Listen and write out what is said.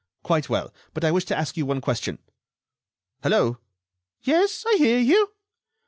"Quite well, but I wish to ask you one question.... Hello!" "Yes, I hear you."